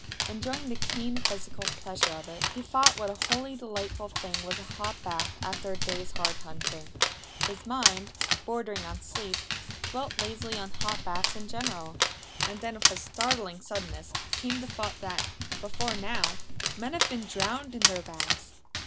Enjoying the keen physical pleasure of it, he thought what a wholly delightful thing was a hot bath after a day's hard hunting. His mind, bordering on sleep, dwelt lazily on hot baths in general. And then with a startling suddenness came the thought that, before now, men had been drowned in their baths!